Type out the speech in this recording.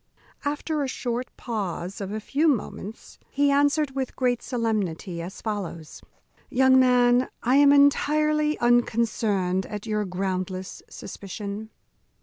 After a short pause of a few moments, he answered, with great solemnity, as follows: "Young man, I am entirely unconcerned at your groundless suspicion.